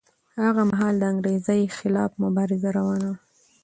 هغه مهال د انګریزۍ خلاف مبارزه روانه وه.